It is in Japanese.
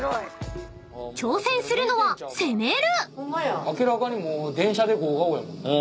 ［挑戦するのはせめる。］